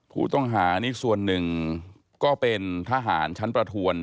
ผู้ต้องหานี่ส่วนหนึ่งก็เป็นทหารชั้นประทวน